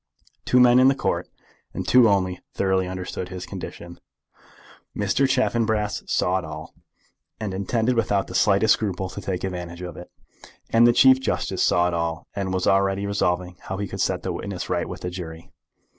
Two men in the Court, and two only, thoroughly understood his condition. Mr. Chaffanbrass saw it all, and intended without the slightest scruple to take advantage of it. And the Chief Justice saw it all, and was already resolving how he could set the witness right with the jury.